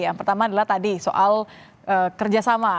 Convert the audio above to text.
yang pertama adalah tadi soal kerjasama